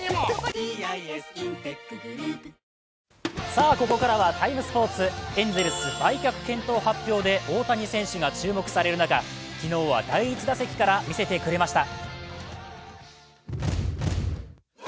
さあ、ここからは「ＴＩＭＥ，スポーツ」、エンゼルス、売却検討発表で大谷選手が注目される中昨日は第１打席から見せてくれました。